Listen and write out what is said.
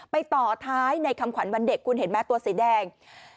ต่อท้ายในคำขวัญวันเด็กคุณเห็นไหมตัวสีแดง